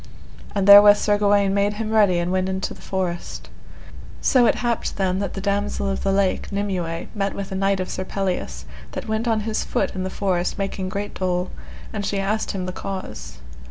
And therewith Sir Gawaine made him ready, and went into the forest. So it happed then that the Damosel of the Lake, Nimue, met with a knight of Sir Pelleas, that went on his foot in the forest making great dole, and she asked him the cause.